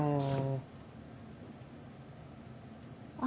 あ！